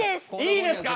いいですか？